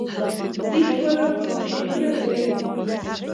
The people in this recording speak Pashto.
دوی خپل اپلیکیشنونه لري.